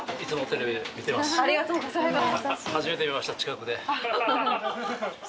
ありがとうございます。